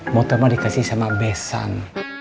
motorma dikasih sama besan